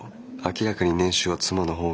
明らかに年収は妻の方が上。